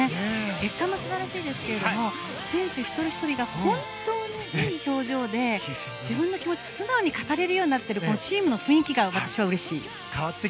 結果も素晴らしいんですけど選手一人ひとりが本当にいい表情で自分の気持ちを素直に語れるようになっているチームの雰囲気が私はうれしい。